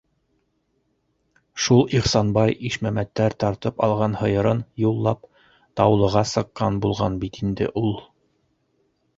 Шул Ихсанбай, Ишмәмәттәр тартып алған һыйырын юллап Таулыға сыҡҡан булған бит инде ул...